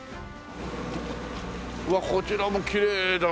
うわっこちらもきれいだこれ。